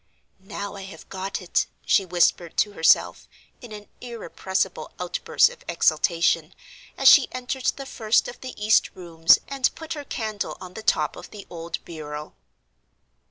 "Now, I have got it!" she whispered to herself, in an irrepressible outburst of exaltation, as she entered the first of the east rooms and put her candle on the top of the old bureau.